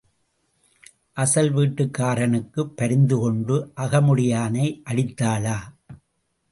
அசல் வீட்டுக்காரனுக்குப் பரிந்துகொண்டு அகமுடையானை அடித்தாளா?